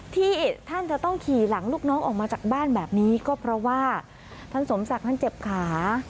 ที่ท่านจะต้องขี่หลังลูกน้องออกมาจากบ้านแบบนี้ก็เพราะว่าท่านสมศักดิ์นั้นเจ็บขา